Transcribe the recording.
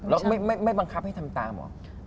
แล้วไม่บังคับให้ทำตามเหรอ